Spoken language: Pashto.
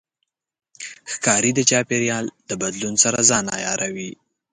ښکاري د چاپېریال د بدلون سره ځان عیاروي.